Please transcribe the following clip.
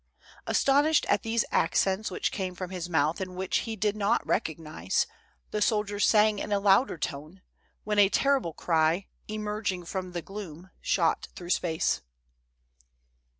Astonished at these accents which came from his mouth and which ( 279 ) 280 THE soldiers' DREAMS. be did not recognize, the soldier sang in a louder tone, when a terrible cry, emerging from the gloom, shot through space.